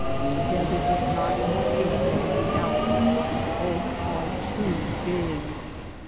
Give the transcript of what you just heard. The desert is not more paintable than the Alps. Both are too big.